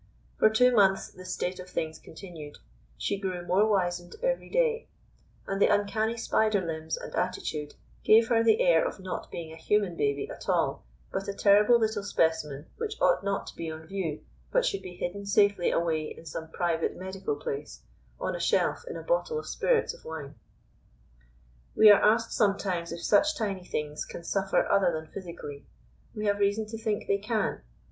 For two months this state of things continued; she grew more wizened every day; and the uncanny spider limbs and attitude gave her the air of not being a human baby at all, but a terrible little specimen which ought not to be on view but should be hidden safely away in some private medical place on a shelf in a bottle of spirits of wine. We are asked sometimes if such tiny things can suffer other than physically. We have reason to think they can.